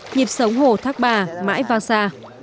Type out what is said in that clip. nhịp sống hồ thác bà mãi vang xa